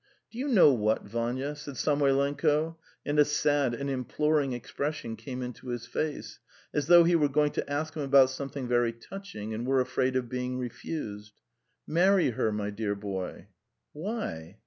"Do you know what, Vanya," said Samoylenko, and a sad and imploring expression came into his face, as though he were going to ask him about something very touching and were afraid of being refused. "Marry her, my dear boy!" "Why?"